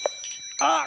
あっ！